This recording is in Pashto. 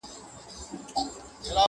له آمو تر مست هلمنده مامن زما دی!.